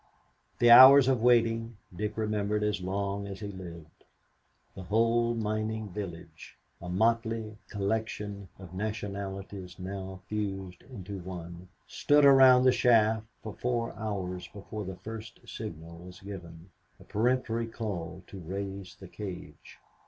The hours of waiting, Dick remembered as long as he lived. The whole mining village, a motley collection of nationalities now fused into one, stood around the shaft for four hours before the first signal was given, a peremptory call to raise the cage.